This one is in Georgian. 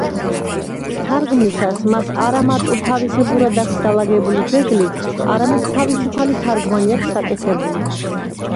თარგმნისას მას არა მარტო თავისებურად აქვს დალაგებული ძეგლი, არამედ თავისუფალი თარგმანი აქვს გაკეთებული.